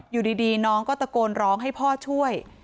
อยู่ดีน้องก็ตะโกนร้องให้พ่อช่วย